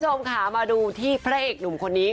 สาวผู้ชมขามาดูที่เพลงหนุ่มคนนี้